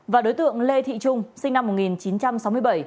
và đối tượng lê thị trung sinh năm một nghìn chín trăm sáu mươi bảy